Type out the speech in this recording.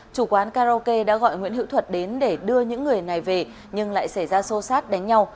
chủ quán karaoke đã gọi nguyễn hữu thuật đến để đưa những người này về nhưng lại xảy ra xô xát đánh nhau